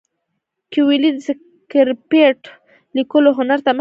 کویلیو د سکرېپټ لیکلو هنر ته مخه کړه.